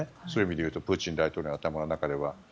そういう意味でいうとプーチン大統領の頭の中では。